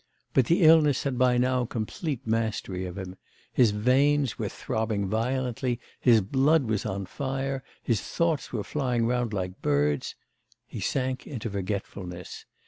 But the illness had by now complete mastery of him. His veins were throbbing violently, his blood was on fire, his thoughts were flying round like birds. He sank into forgetfulness.